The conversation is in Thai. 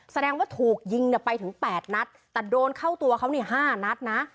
แสดงว่าถูกยิงไปถึงแปดนัดแต่โดนเข้าตัวเขาห้านัดนะ